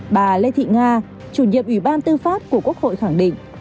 bà lê thị nga chủ nhiệm ủy ban tư pháp của quốc hội khẳng định